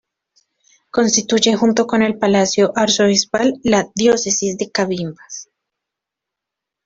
Constituye junto con el Palacio Arzobispal la "Diócesis de Cabimas".